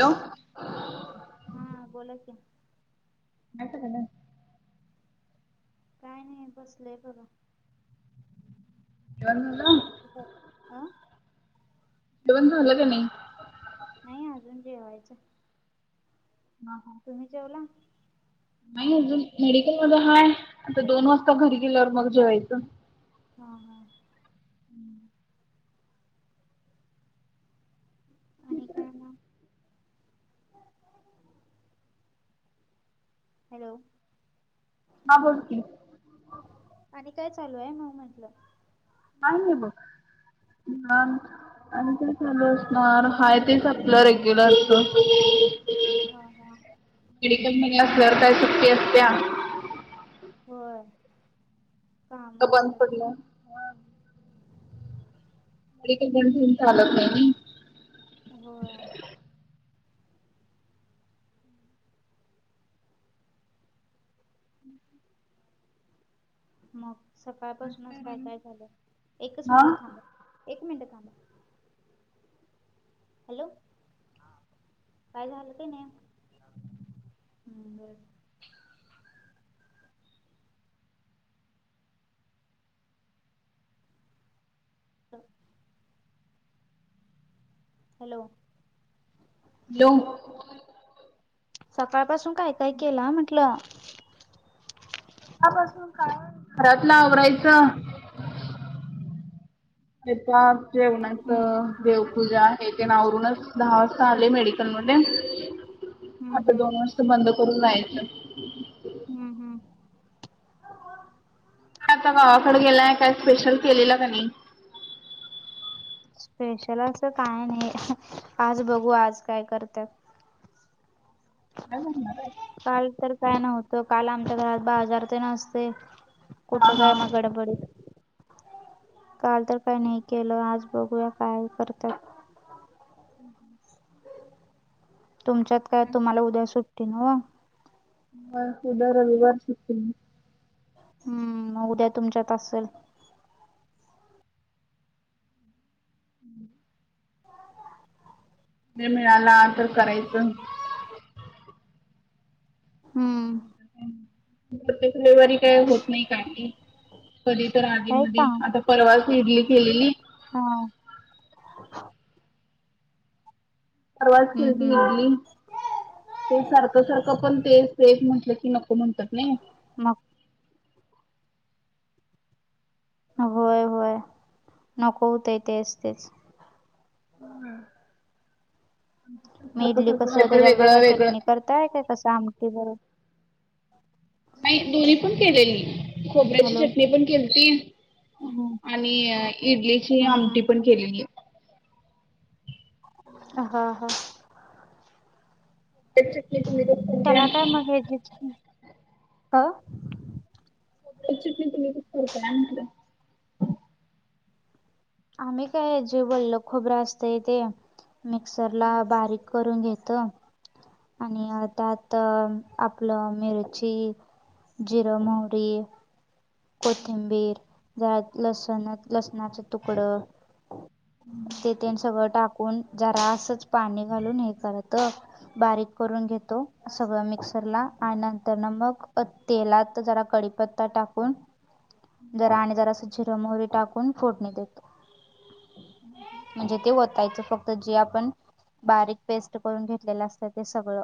Hello हा बोला की काय कारल्यास काय नाही बसलोय बघा काय म्हणला तुमचं काय? अ जेवण झालं का नाही नाही अजून जेवायचाय हा तुम्ही जेवला नाही अजून मेडिकल मध्ये हाय आता दोन वाजता घरी गेल्यावर मग जेवायचं. हा हा. हम्म. आणि काय मग? हॅलो. हा बोल की. आणि काय चालू आहे मग म्हटलं? काय नाही बघ निवांत. आणि काय चालू असणार हाय तेच आपलं रेग्युलरच. हा हा. मेडिकल मध्ये असल्यावर काय सुट्टी असत्या. कामं का बंद असत्या त्या. पडलं मेडिकल बंद ठेऊन चालत नाय नाही. होय. मग सकाळपासूनच काय-काय झालंय एकच हा मिनटं थांब हॅलो हा एक मिनिट थांबा. हॅलो काय झालं तर नाय हम्म बरं. [unintelligible] हॅलो. ल्यो सकाळपासून काय-काय केलाय म्हंटलं? सकाळपासून काय घरातलं आवरायचं [unintelligible] हम्म जेवणाचं. देवपूजा हे तेन आवरूनच दहा वाजता आले मेडिकलमध्ये. हम्म आता हम्म दोन वाजता बंद करून जायचं. हम्म हम्म. आता गावाकडे गेलाय काय स्पेशल केलेलं का नाही? स्पेशल असं काय नाही, आज बघू आज काय करत्या. नाही करणार आहेस? काल तर काय नव्हतं काल आमच्या घरात बाजार तेन असतंय. हा कुठं काय हा मग गडबड हे. काल तर काय नाही केलं आज बघूया काय करत्या. [inaudible] तुमच्यात काय तुम्हाला उद्या सुट्टी न हो? होय उद्या रविवार सुट्टी. हम्म म उद्या तुमच्यात असेल. वेळ मिळाला तर करायचं. हम्म. [unintelligible] प्रत्येक रविवारी काही होत नाही काय नाही. कधी तर आधी आहे का मधी आता परवाच इडली केलेली हां. परवाच हम्म केलती हम्म इडली. ते सारखं सारखं पण तेच तेच म्हंटलं की नको म्हणतात नाही. मग होय होय नको होतय तेच तेच. हा. म इडली कसं त्याच्याबरोबर काय वेगळं चटणी करताय काय? कसं आमटी बरोबर? नाही दोन्ही पण केलेली, खोबऱ्याची हॅलो चटणी पण केलंती. हम्म आणि अं इडलीची हम्म आमटी हम्म पण केलेली. अं हा- हा, [unintelligible] त्याला काय मग हेही, काव चटणी तुम्ही कशी करताय म्हटलं? आम्ही काय जे वोलं खोबरं असतय त्या मिक्सरला बारीक करून घेतो आणि त्यात अ आपलं मिरची, जिरं, मोहरी कोथिंबीर, जरा लसूण लसणाचं तुकडे हे तेन सगळं टाक कोण जरा असंच पाणी घालून हे करत. बारीक करून घेतो, सगळं मिक्सरला आणि नंतर ना मग तेलात जरा कडीपत्ता पत्ता टाकून, जरा आणि जरा असं जिरं, मोहरी टाकून फोडणी देतो. म्हणजे ते वतायचं फक्त त जी आपण बारीक पेस्ट करून घेतलेलं असत ते सगळं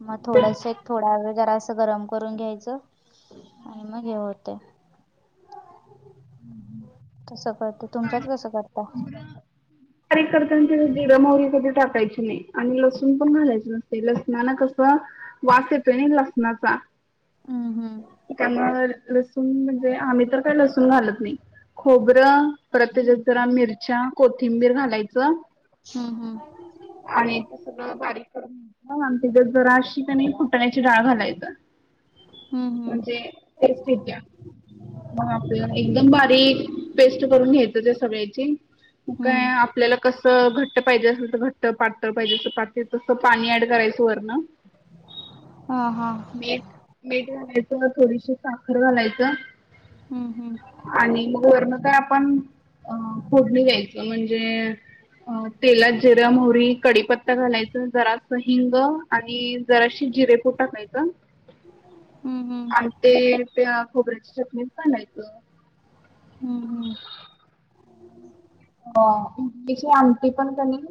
मग थोडसं थोडा वेळं जरा असं गरम करून घ्यायचं आणि मग हे होत. कसं करते [unintelligible] तुमच्यात कसं करता बारीक करताना ते जिरं, मोहरी कधी टाकायची नाही आणि लसूण पण घालायच नसते लसणाला कसं वास येतोय नाही लसणाचा. हम -हम, त्यामुळं लसूण म्हणजे आम्ही तर काही लसूण घालत नाही, खोबरं परत त्याच्यात जरा मिरच्या, कोथिंबीर घालायचं. हम्म, हम्म, आणि ते सगळं बारीक करून तिच्यात जरा अशी क नाही फुटण्याची डाळ घालायचं. हम्म म्हणजे टेस्ट येत्या, हं. एकदम बारीक पेस्ट करून घेतो त्या सगळ्याची हम्म काय हम्म आपल्याला कसं घट्ट पाहिजे असेल तर घट्ट, पातळ पाहिजे तर पातळ तस पाणी ऍड करायचं वरण. हा, हा, मीठ -मीठ घालायचं, वर थोडीशी साखर घालायचं. हम्म्, हम्म. आणि मग वर्ण नंतर आपण फोडणी द्यायची म्हणजे म्हणजे अ तेलात जिरं- मोहरी कडीपत्ता घालायचं, जरास हिंग आणि जराशी जिरे पूड टाकायचं. हम्म हम्म आन् ते त्या खोबऱ्याची चटणीत घालायचं. हम्म -हम्म, अ इडली ची आंमटी पण तनी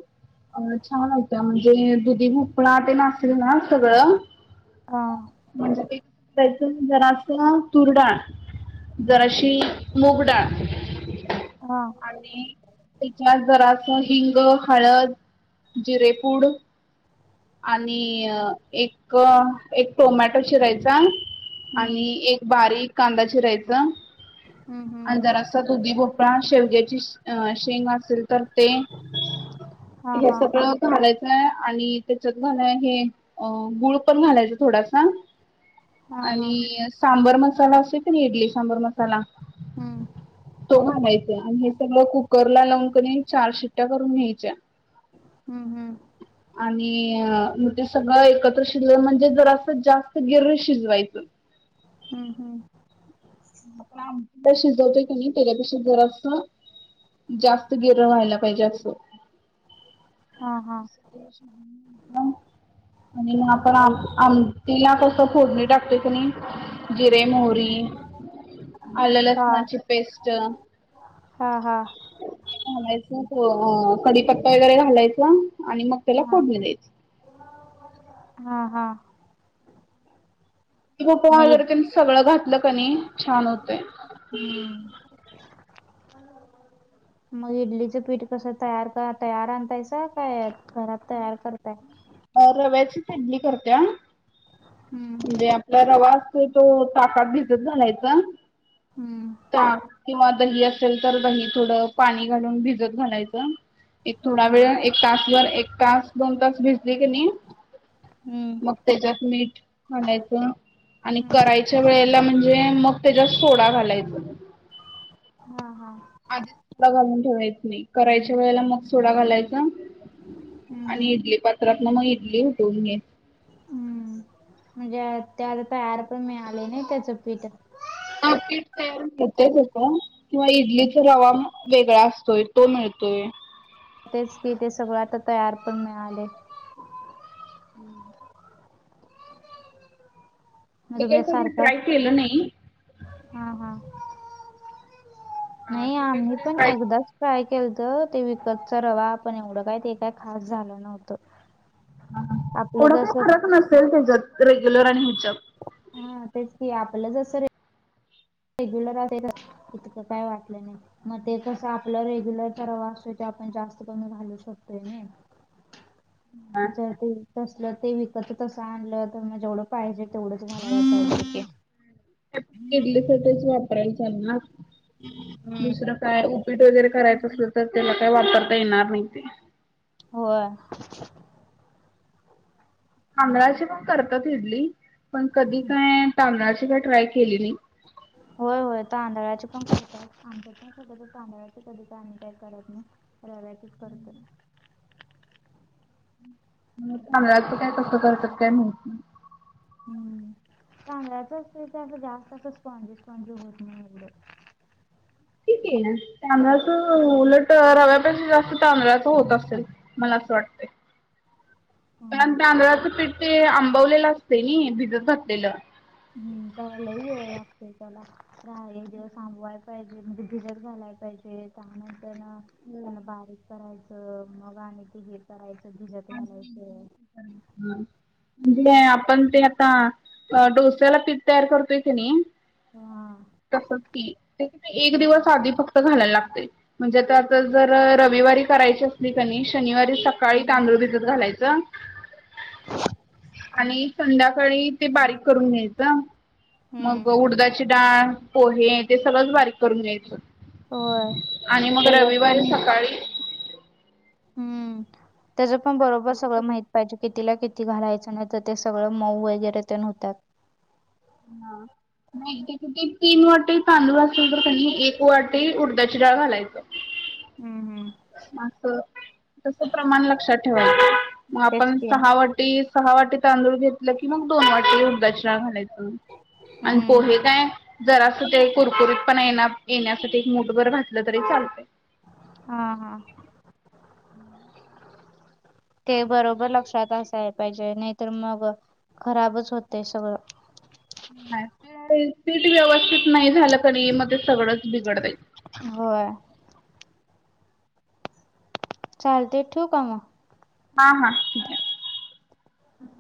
अ छान होतं म्हणजे दुधी भोपळा ते नाशल ना सगळं आ, म्हणजे त्याच्यात जरासं तुर डाळ जराशी मुगडाळ हा, आणि त्याच्यात जरासं हिंग, हळद, जिरेपूड आणि एक एक टोमॅटो चिरायचा हम्म आणि एक बारीक कांदा चिरायचं. हम्म हम्म आणि जरासं दुधी भोपळा, शेवग्याची शेंग असेल तर ते हा हे हा सगळं घालायचं आणि त्याच्यात घालाय हे गुळ पण घालायचं थोडासा हा हा आणि सांबर मसाला असतोय कनी इडली सांबर मसाला हम्म तो घालायचं आणि हे सगळं कुकरला लावून कणी चार शिट्ट्या करून घ्यायच्या. हम्म हम्म आणि मग ते सगळं एकत्र शिजले म्हणजे जरासं जास्त गिर शिजवायचं हम्म हम्म आपण आमटीला शिजवतोय कनी त्याच्यापेक्षा जरासं जास्त गिर व्हायला पाहिजे असं हा हा आणि म आपण आई आम टीला कसं फोडणी टाकतोय कनी जिरे, मोहरी, आलं हा लसणाची पेस्ट हा हा घालायचं अं कडीपत्ता वगैरे घालायचं आणि मग त्याला हा फोडणी द्यायची हा हा गोप मग वगैरे इड- त्यांनी सगळं घातलं कनी छान होतंय. हम्म [inaudible] मग इडलीचं पीठ कसं तयार तयार आणतायसा काय घरात तयार करताय? अं रव्याचीचं इडली करत्या हम्म म्हणजे आपला रवा तो जो ताकात भिजत घालायचा हम्म ताक किंवा दही असेल तर दही थोडं पाणी घालून भिजत घालायचं. एक हा थोडा हा वेळ एक तासभर एक तास दोन तास भिजली कनी हम्म मग त्याच्यात मीठ घालायचं. आणि हम्म करायच्या वेळेला म्हणजे मग त्याच्यात सोडा घालायचं. हा हा आधीच सोडा घालून ठेवायचं नाही करायच्या वेळेला मग सोडा घालायचा हम्म आणि हम्म इडली पात्रातनं मग इडली उठवून घ्यायचं. हम्म म्हणजे त्या तयार पण मिळालय नाही त्याचं पीठ. हो पीठ तयार मिळतंय त्याचं. किंवा इडलीचा रवा वेगळा असतोय तो मिळतोय. तेच की ते सगळं आता तयार पण मिळालय. हम्म मग हे तुमच्या कायं सगळे सारखं ट्राय केलं नाही. हा हा हा नाही ते काही आम्ही कधी पण ट्राय एकदाच ट्राय केलतं ते विकतचा रवा पण एवढं काय ते काय खास झालं नव्हतं. आपलं एवढा काय जसं फरक नसतोयच त्याच्यात रेग्युलर आणि हेच्यात हा तेच की आपलं जसं रे रेग्युलर अस तकं काय वाटलं नाही मग ते कसं आपलं रेग्युलर परवा असतोय ते आपण जास्त कमी घालू शकतोय ना चालतयं तसलं ते विकत तसं आणलं तर मग जेवढं पाहिजे तेवढंच घालायला पाहिजेत इडलीसाठीच वापरायच असल ना, हम्म. दुसरं काय उपीट वगैरे करायचं असल तर त्याला काय वापरता येणार नाही ते हो तांदळाची पण करतात इडली पण कधी काय तांदळाची काय ट्राय केली नाही होय होय तांदळाची पण करतात आमाच्याकडे कसं गं तांदळाची कधी ग आम्ही काय करत नाही रव्याचीचं करतो तांदळाचं काय कसं करतात काय मग ह् तांदळाचच करतो असं जास्त अस स्पॉनजी स्पॉनजी होत नाही एवढ ठीकं ना तांदळाचं उलट रव्यापेक्षा जास्त तांदळाच होत असेल मला असं वाटतंय पण माहिती. तांदळाचं पीठ ते आंबवलेलं असते नी भिजत घातलेलं हम्म त्याला लई वेळ लागतोय त्याला दहा एक दिवस आंबवायचय तेन भिजत घालायचय ते त्यानंतर ना त्याला बारीक करायचं मग आणि तिगीर करायचं भिजत घालायचं हम् भिजलोय आपण ते आता डोस्याला पीठ तयार करतोय की नी हा तसच की एक होय दिवस आधी फक् तो घालायला लागतोय म्हणजे त्यातच जर रविवारी करायची असली का नही शनिवारी सकाळी तांदूळ हम्म भिजत घालायचं आणि संध्याकाळी ते बारीक करून घ्यायचं मग हम्म उडदाची डाळ पोहे ते सगळंच बारीक करून घ्यायचं होय आणि मग त्याच रविवारी पण सकाळी हम्म, त्याच पण बरोबर सगळं माहित पाहिजे कितीला किती घालायचं नाही त ते सगळं मऊ वगैरे तेन होत्यात हा नाही त्याच्यात ते तीन वाटी तांदूळ असल तर त्यांनी एक वाटी उडदाची डाळ घालायच हम्म हम्म म असं तसं प्रमाण लक्षात ठेवायचं, म तेच आपण की सहा वाटी सहा वाटी तांदूळ घेतलं की मग दोन वाटी उडदाची डाळ घालायचं, अनं हम्म पोहे काय जरासं ते कुरकुरीत पणा येणा येण्यासाठी एक मुठभर घातलं तरी चालतय हा हा [inaudible] ते बरोबर लक्षात असाय पाहिजे नाहीतर मग खराबच होते सगळं नाही ते सेट व्यवस्थित नाही झालं क नई मग ते सगळंच बिघडतयं होय. चालतयं ठेऊ का मग? हा हा! ठीकं हम!